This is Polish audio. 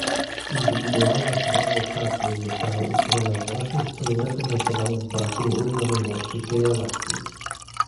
Indywidualne prawo pracy zostało utworzone właśnie w celu rekompensowania braku równorzędności w tej relacji